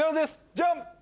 ジャン！